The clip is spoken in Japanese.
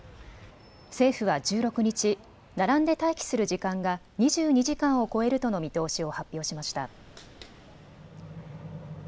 政府は１６日、並んで待機する時間が２２時間を超えるとの見通しを発表しました。